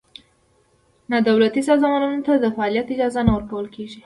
نا دولتي سازمانونو ته د فعالیت اجازه نه ورکول کېږي.